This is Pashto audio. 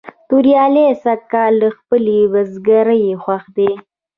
توریالی سږ کال له خپلې بزگرۍ خوښ دی.